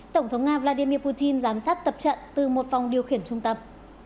tổng thống nga vladimir putin giám sát tập trận từ một phòng điều khiển trung tâm